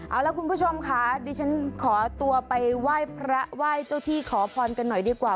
เอาล่ะคุณผู้ชมค่ะดิฉันขอตัวไปไหว้พระไหว้เจ้าที่ขอพรกันหน่อยดีกว่า